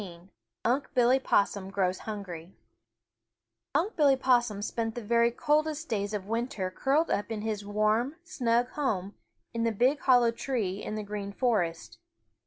XIII UNC' BILLY POSSUM GROWS HUNGRY Unc' Billy Possum spent the very coldest days of winter curled up in his warm, snug home in the big hollow tree in the Green Forest.